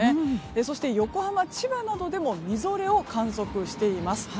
そして横浜、千葉などでもみぞれを観測しています。